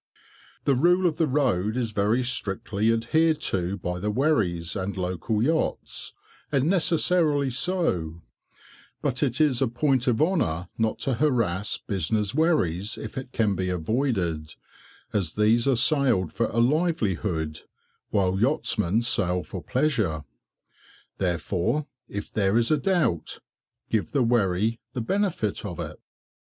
The rule of the road is very strictly adhered to by the wherries and local yachts, and necessarily so; but it is a point of honour not to harass business wherries if it can be avoided, as these are sailed for a livelihood, while yachtsmen sail for pleasure. Therefore, if there is a doubt, give the wherry the benefit of it.